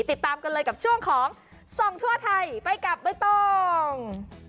ติดตามกันเลยกับช่วงของส่องทั่วไทยไปกับใบตอง